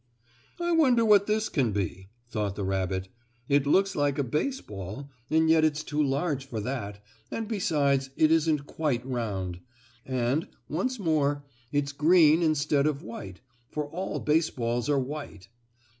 "I wonder what this can be?" thought the rabbit. "It looks like a baseball, and yet it's too large for that, and besides it isn't quite round. And, once more, it's green instead of white, for all baseballs are white.